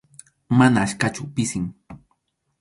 Mana achkachu, pisim.